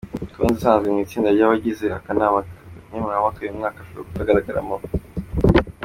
Tonzi usanzwe mu itsinda ry'abagize akanama nkemurampaka, uyu mwaka ashobora kutagaragaramo.